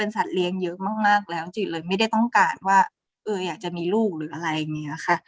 จริงจริงไม่ได้ต้องการว่าอยากจะมีลูกหรืออะไรอย่างนี้ค่ะ